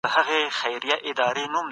سندرې ټولنې یوځای کوي.